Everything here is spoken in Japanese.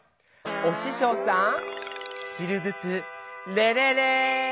おししょうさんシルブプレレレー！